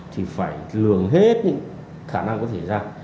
thì phải lường hết những khả năng có thể ra